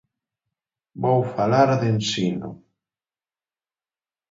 Vou falar de ensino.